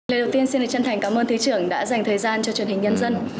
lời đầu tiên xin được chân thành cảm ơn thứ trưởng đã dành thời gian cho truyền hình nhân dân